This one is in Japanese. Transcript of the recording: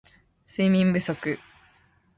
睡眠不足